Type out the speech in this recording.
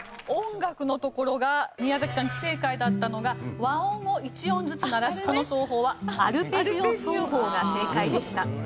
音楽のところが宮崎さん不正解だったのが和音を一音ずつ鳴らすこの奏法はアルペジオ奏法が正解でした。